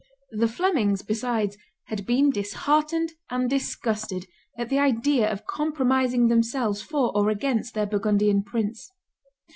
The Flemings, besides, had been disheartened and disgusted at the idea of compromising themselves for or against their Burgundian prince.